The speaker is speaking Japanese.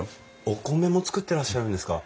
お米も作ってらっしゃるんですか？